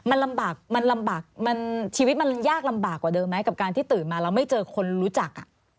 มันลำบากมันลำบากชีวิตมันยากลำบากกว่าเดิมไหมกับการที่ตื่นมาแล้วไม่เจอคนรู้จัก